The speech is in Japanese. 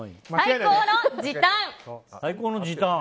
最高の時短。